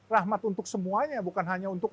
rahmat untuk semuanya bukan hanya untuk